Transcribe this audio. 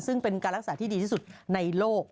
ซึ่งเป็นการรักษาที่ดีที่สุดในโลก